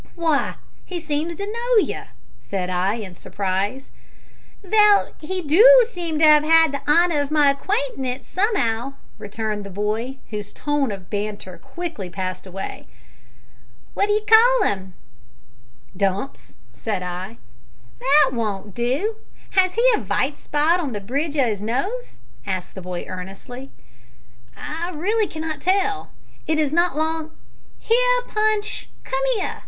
"Why, he seems to know you," said I, in surprise. "Vell, he do seem to 'ave 'ad the honour of my acquaintance some'ow," returned the boy, whose tone of banter quickly passed away. "What d'ee call 'im?" "Dumps," said I. "That won't do. Has he a vite spot on the bridge of 'is nose?" asked the boy earnestly. "I really cannot tell. It is not long " "Here, Punch, come here!"